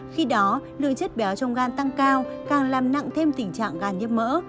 khi đó lượng chất béo trong gan tăng cao càng làm nặng thêm tình trạng gan nhiễm mỡ